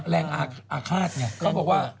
เหมือนกับข้าฆาตนี่เขาบอกว่า